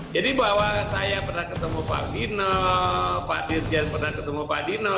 jadi bahwa saya pernah ketemu pak dino pak dirjan pernah ketemu pak dino